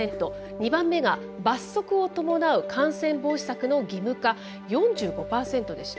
２番目が「罰則を伴う感染防止策の義務化」４５％でした。